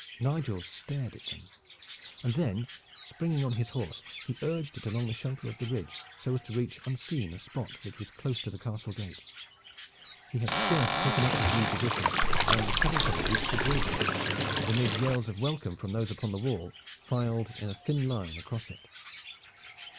Nigel stared at them and then, springing on his horse, he urged it along the shelter of the ridge so as to reach unseen a spot which was close to the castle gate. He had scarce taken up his new position when the cavalcade reached the drawbridge, and amid yells of welcome from those upon the wall, filed in a thin line across it.